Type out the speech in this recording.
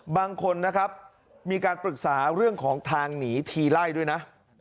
บางคนนะครับมีการปรึกษาเรื่องของทางหนีทีไล่ด้วยนะ